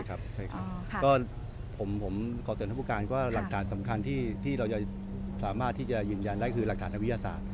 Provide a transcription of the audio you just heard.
ใช่ครับก็ผมขอเสริมท่านผู้การก็หลักฐานสำคัญที่เราจะสามารถที่จะยืนยันได้คือหลักฐานนักวิทยาศาสตร์